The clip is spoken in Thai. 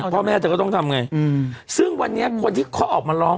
พ่อแม่เลยแห่งนี้ซึ่งกว่าวันนี้คนที่ก็ออกมาร้อง